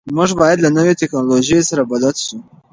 موږ باید له نویو ټکنالوژیو سره بلد سو.